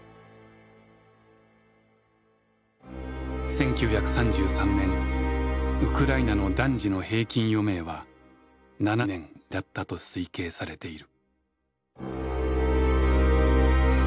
１９３３年ウクライナの男児の平均余命は７年だったと推計されている。